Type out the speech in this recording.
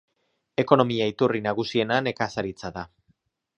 Ekonomia iturri nagusiena nekazaritza da.